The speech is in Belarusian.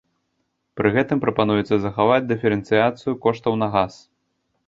Пры гэтым прапануецца захаваць дыферэнцыяцыю коштаў на газ.